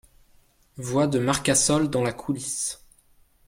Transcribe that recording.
Voix de Marcassol dans la coulisse.